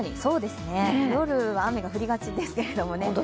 夜、雨が降りがちですけどね。